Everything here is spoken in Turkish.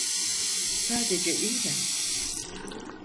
Sadece iyi mi?